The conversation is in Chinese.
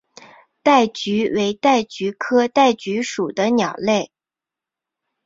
戴菊为戴菊科戴菊属的鸟类。